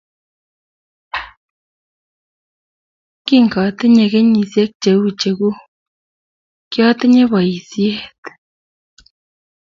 Kingatinye kenyishiek cheu cheguuk, kyatinye boisiet